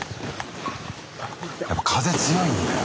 やっぱ風強いんだよ。